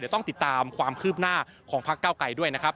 ต้องติดตามความคืบหน้าของพักเก้าไกรด้วยนะครับ